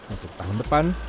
untuk tahun depan